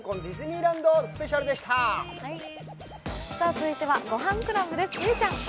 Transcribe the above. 続いては「ごはんクラブ」です。